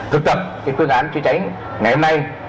thực tập phương án chữa cháy ngày hôm nay